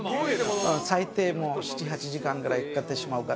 最低７８時間くらいかかってしまうから。